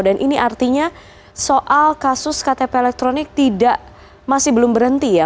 dan ini artinya soal kasus ktp elektronik masih belum berhenti ya